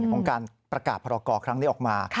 ของการประกาศพรกรครั้งนี้ออกมา